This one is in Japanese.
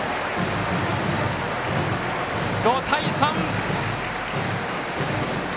５対３！